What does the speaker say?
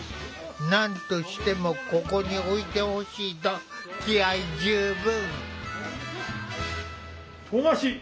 何としてもここに置いてほしいと気合い十分！